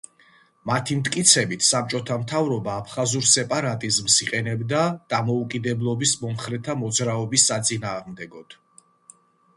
მათი მტკიცებით საბჭოთა მთავრობა აფხაზურ სეპარატიზმს იყენებდა დამოუკიდებლობის მომხრეთა მოძრაობის საწინააღმდეგოდ.